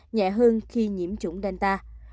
nhẹ hơn khi nhiễm chủng delta